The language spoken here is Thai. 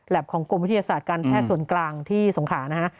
ของกรมวิทยาศาสตร์การแพทย์ส่วนกลางที่สงขานะฮะ